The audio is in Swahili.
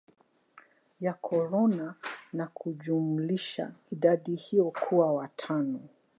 ya corona na kujumlisha idadi hiyo kuwa watano